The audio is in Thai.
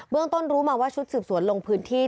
ต้นรู้มาว่าชุดสืบสวนลงพื้นที่